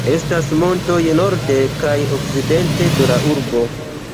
Estas montoj norde kaj okcidente de la urbo.